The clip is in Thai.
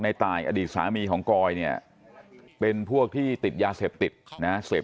ตายอดีตสามีของกอยเนี่ยเป็นพวกที่ติดยาเสพติดนะเสพ